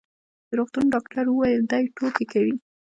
د روغتون ډاکټر وویل: دی ټوکې کوي.